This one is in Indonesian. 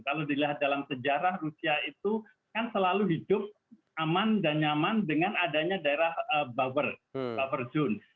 kalau dilihat dalam sejarah rusia itu kan selalu hidup aman dan nyaman dengan adanya daerah buffer zone